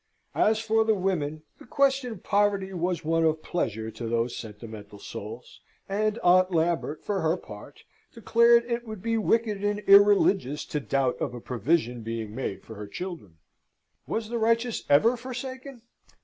As for the women, the question of poverty was one of pleasure to those sentimental souls, and Aunt Lambert, for her part, declared it would be wicked and irreligious to doubt of a provision being made for her children. Was the righteous ever forsaken?